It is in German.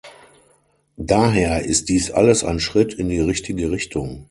Daher ist dies alles ein Schritt in die richtige Richtung.